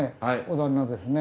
旦那ですね。